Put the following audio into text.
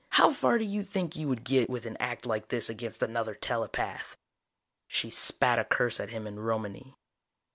How far do you think you would get with an act like this against another telepath?" She spat a curse at him in Romany.